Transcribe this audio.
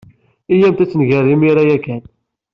Iyyamt ad t-neg imir-a ya kan.